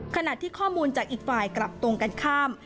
ขณะที่ข้อมูลจากอีกฝ่ายกลับตรงกันข้าม